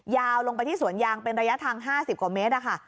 ยาวลงไปที่สวนยางเป็นระยะทาง๕๐กว่าเมตรนะคะ